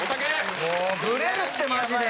もうブレるってマジで！